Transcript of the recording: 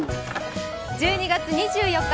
１２月２４日